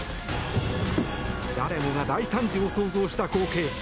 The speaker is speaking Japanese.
誰もが大惨事を想像した光景。